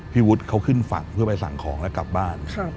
วุฒิเขาขึ้นฝั่งเพื่อไปสั่งของแล้วกลับบ้าน